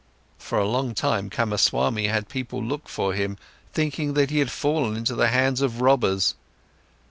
For a long time, Kamaswami had people look for him, thinking that he had fallen into the hands of robbers.